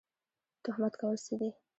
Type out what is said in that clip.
تهمت کول څه دي؟